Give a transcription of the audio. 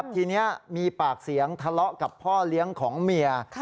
ทีนี้มีปากเสียงทะเลาะกับพ่อเลี้ยงของเมีย